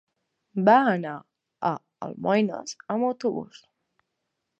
Va anar a Almoines amb autobús.